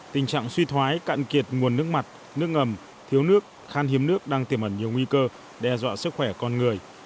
tình trạng suy thoái cạn kiệt nguồn nước mặt nước ngầm thiếu nước khan hiếm nước đang tiềm ẩn nhiều nguy cơ đe dọa sức khỏe con người